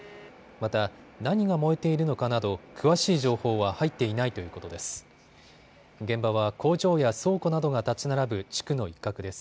また何が燃えているのかなど詳しい情報は入っていないということです。